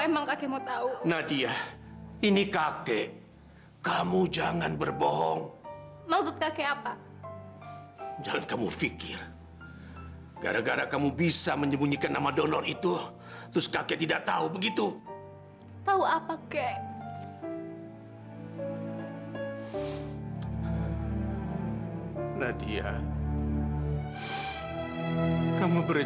mau gak kakek jangan pernah tinggalin nadia kek